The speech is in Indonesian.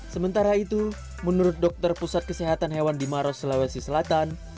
sementara itu menurut dokter pusat kesehatan hewan di maros sulawesi selatan